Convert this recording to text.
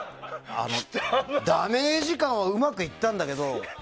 ダメージ感はうまくいったんだけど。